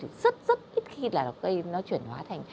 rất rất ít khi là nó chuyển hóa thành